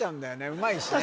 うまいしね